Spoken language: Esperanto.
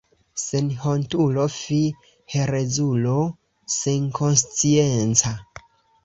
Senhontulo, fi, herezulo senkonscienca!